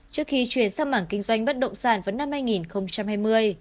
trước khi chuyển sang mảng kinh doanh bất động sản vào năm hai nghìn hai mươi